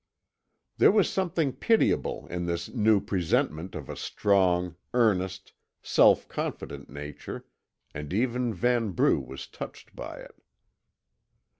There was something pitiable in this new presentment of a strong, earnest, self confident nature, and even Vanbrugh was touched by it.